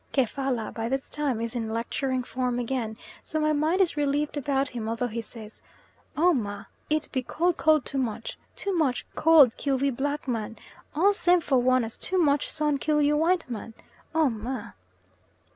Kefalla by this time is in lecturing form again, so my mind is relieved about him, although he says, "Oh, ma! It be cold, cold too much. Too much cold kill we black man, all same for one as too much sun kill you white man. Oh, ma!.